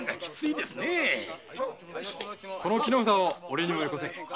この木の札をおれにもよこせ。